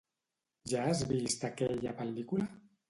Ja has vist aquella pel·lícula?